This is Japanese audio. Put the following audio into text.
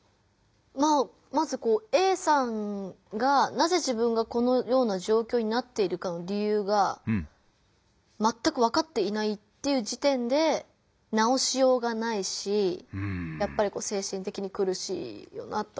まずＡさんがなぜ自分がこのような状況になっているか理由がまったくわかっていないっていう時点で直しようがないし精神的にくるしいよなとは思います。